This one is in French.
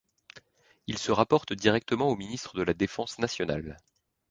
Il se rapporte directement au ministre de la Défense nationale.